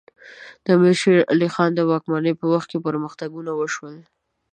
د امیر شیر علی خان د واکمنۍ په وخت کې پرمختګونه وشول.